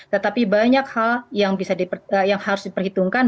tetapi banyak hal yang harus diperhitungkan